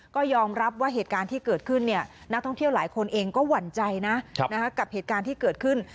ก็ยอมรับว่าเหตุการณ์ที่เกิดขึ้นนักท่องเที่ยวหลายคนเองก็หวั่นใจนะกับเหตุการณ์ที่เกิดขึ้น